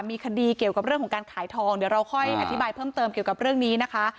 มีคดีเกี่ยวกับเรื่องของการขายทองเดี๋ยวเราค่อยอธิบายเพิ่มเติมเกี่ยวกับเรื่องนี้นะคะ